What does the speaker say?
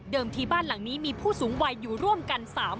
ที่บ้านหลังนี้มีผู้สูงวัยอยู่ร่วมกัน๓คน